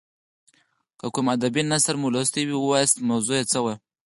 که کوم ادبي نثر مو لوستی وي ووایاست موضوع یې څه وه.